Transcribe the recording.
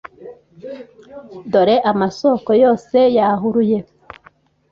dore amasoko yose yahuruye